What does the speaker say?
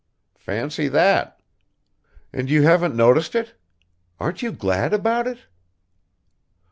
"Fancy that!" "And you haven't noticed it? Aren't you glad about it?"